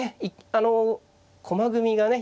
あの駒組みがね